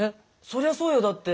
そりゃそうよだって。